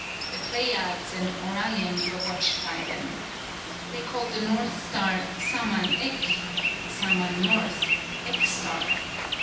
The Pleiades and Orion were watched by them. They called the North Star Xaman Ek (Xaman north: Ek star).